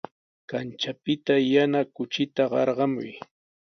Kanchapita yana kuchita qarqamuy.